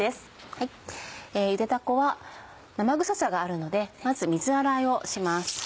ゆでだこは生臭さがあるのでまず水洗いをします。